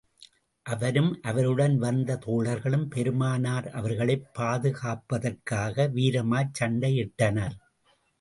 அவரும், அவருடன் வந்த தோழர்களும், பெருமானார் அவர்களைப் பாதுகாப்பதற்காக வீரமாகச் சண்டையிட்டனர்.